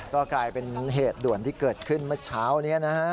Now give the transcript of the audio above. ก็กลายเป็นเหตุด่วนที่เกิดขึ้นเมื่อเช้านี้นะฮะ